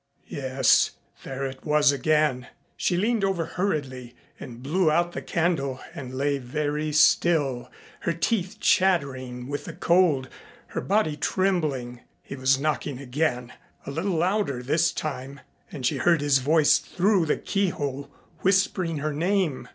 Yes. There it was again. She leaned over hurriedly and blew out the candle and lay very still, her teeth chattering with the cold, her body trembling. He was knocking again, a little louder this time, and she heard his voice through the keyhole whispering her name.